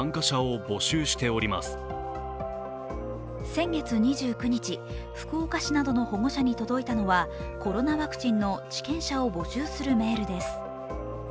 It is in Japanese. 先月２９日、福岡市などの保護者に届いたのはコロナワクチンの治験者を募集するメールです。